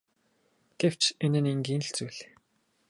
Гэвч энэ нь энгийн л зүйл.